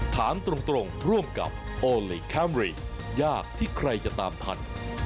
ถามตรงร่วมกับโอลี่คัมรี่ยากที่ใครจะตามทัน